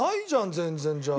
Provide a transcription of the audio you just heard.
全然じゃあ。